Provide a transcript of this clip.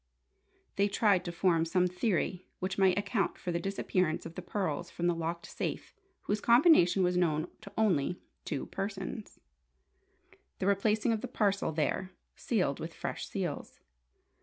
They tried to form some theory which might account for the disappearance of the pearls from the locked safe whose combination was known to only two persons; the replacing of the parcel there, sealed with fresh seals.